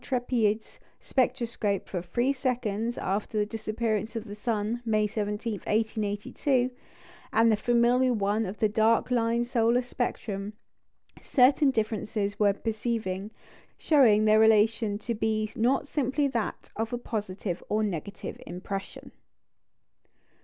Trépied's spectroscope for three seconds after the disappearance of the sun, May 17, 1882, and the familiar one of the dark line solar spectrum, certain differences were perceiving, showing their relation to be not simply that of a positive to a negative impression.